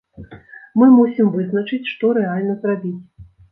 Мы мусім вызначыць, што рэальна зрабіць.